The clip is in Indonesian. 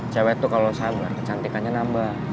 cewek tuh kalau sabar kecantikannya nambah